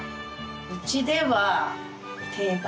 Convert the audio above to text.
うちでは定番。